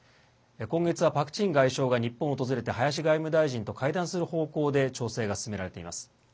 今月はパク・チン外相が日本を訪れて林外務大臣と会談する方向で調整が進められています。